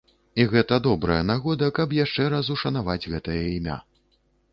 І гэта добрая нагода, каб яшчэ раз ушанаваць гэтае імя.